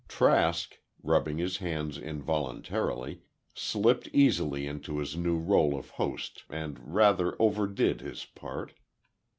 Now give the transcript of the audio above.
Trask, rubbing his hands involuntarily, slipped easily into his new rôle of host, and rather overdid his part.